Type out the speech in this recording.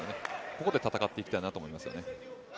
ここで戦っていきたいなと思いますよね。